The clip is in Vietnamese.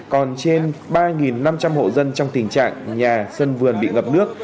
còn trên ba năm trăm linh hộ dân trong tình trạng nhà sân vườn bị ngập nước